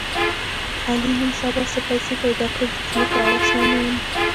علي نن سبا څه پیسې پیدا کړې دي، ځمکه او اسمان نه ویني.